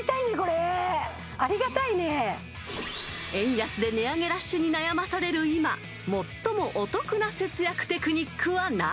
［円安で値上げラッシュに悩まされる今最もお得な節約テクニックは何？］